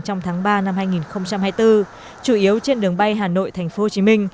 trong tháng ba năm hai nghìn hai mươi bốn chủ yếu trên đường bay hà nội tp hcm